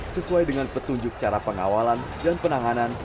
sesuai dengan petunjuk cara pengawalan dan penanganan